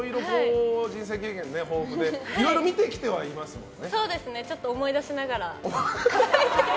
人生経験豊富でいろいろ見てきてはいますもんね。